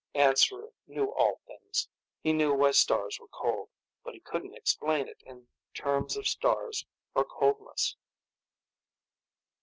Answerer knew all things. He knew why stars were cold, but he couldn't explain it in terms of stars or coldness.